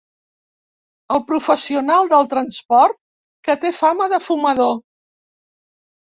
El professional del transport que té fama de fumador.